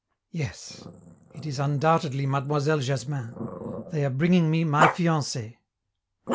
Yes! it is undoubtedly Mademoiselle Jasmin; they are bringing me my fiancee!